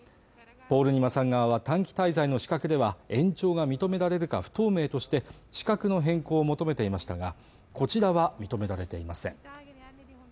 ポールニマさん側は短期滞在の資格では延長が認められるか不透明として資格の変更を求めていましたがこちらは認められていません